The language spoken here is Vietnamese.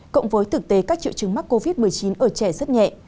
cộng với thực tế các triệu chứng mắc covid một mươi chín ở trẻ rất nhẹ